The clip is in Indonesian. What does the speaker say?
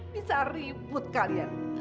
bisa ribut kalian